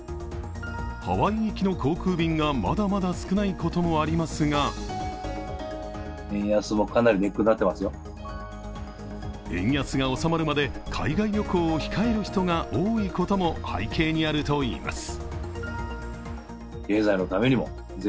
ハワイ行きの航空便がまだまだ少ないこともありますが円安が収まるまで海外旅行を控える人が多いことも背景にあるといいます。